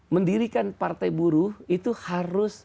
mendirikan partai buruh itu harus